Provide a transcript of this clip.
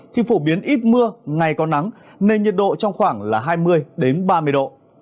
khi phổ biến ít mưa ngày có nắng nên nhiệt độ trong khoảng là hai mươi ba mươi độ